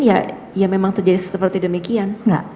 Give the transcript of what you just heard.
ya ya memang terjadi seperti demikian